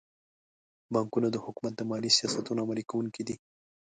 بانکونه د حکومت د مالي سیاستونو عملي کوونکي دي.